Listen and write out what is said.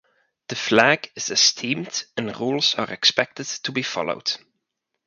The flag is esteemed and rules are expected to be followed.